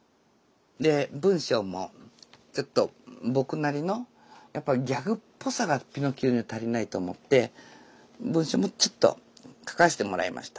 で文章もちょっと僕なりのやっぱりギャグっぽさが「ピノッキオ」には足りないと思って文章もちょっと書かせてもらいました。